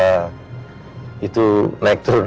itu naik turun naik turun terus